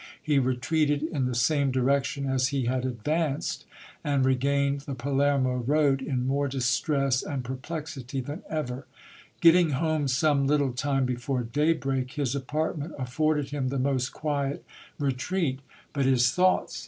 He retreated in the sane direction as he had advanced, and regained the Palermo road, in more distress and perplexity than ever. Getting home some little time before day br ak, his apartment afforded him the most quiet retreat. But his thoughts 128 GIL BLAS.